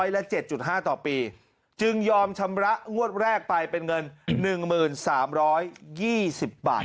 ละ๗๕ต่อปีจึงยอมชำระงวดแรกไปเป็นเงิน๑๓๒๐บาท